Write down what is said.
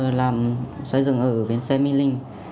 em bắt đầu sở dụng ở bên sê minh linh